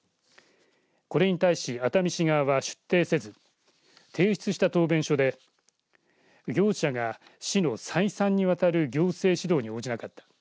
これに対し熱海市側は出廷せず提出した答弁書で業者が市の再三にわたる行政指導に応じなかった。